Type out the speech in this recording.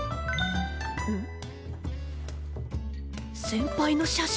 「先輩の写真」？